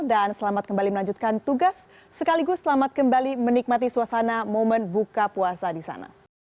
dan selamat kembali melanjutkan tugas sekaligus selamat kembali menikmati suasana momen buka puasa di sana